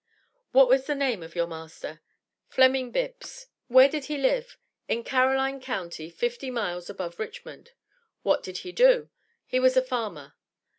"What was the name of your master?" "Fleming Bibbs." "Where did he live?" "In Caroline county, fifty miles above Richmond." "What did he do?" "He was a farmer."